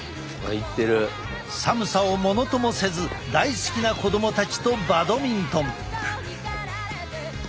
寒さをものともせず大好きな子供たちとバドミントン。